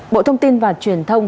bộ thông tin và truyền thông